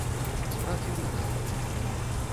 З працы рук жыве.